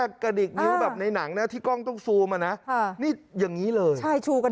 ลอยไปนี่ไปเห็นใครไปเห็นเทวดาไปเห็นนางฟ้าอะไรไหมครับ